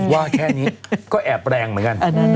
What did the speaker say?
ว่าแค่นี้ก็แอบแรงเหมือนกัน